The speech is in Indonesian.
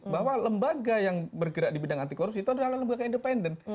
bahwa lembaga yang bergerak di bidang anti korupsi itu adalah lembaga independen